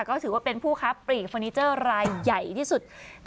ก็ถือว่าเป็นผู้ค้าปลีกเฟอร์นิเจอร์รายใหญ่ที่สุด